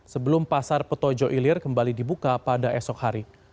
sebelum pasar petojo ilir kembali dibuka pada esok hari